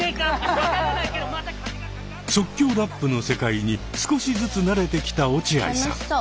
即興ラップの世界に少しずつ慣れてきた落合さん。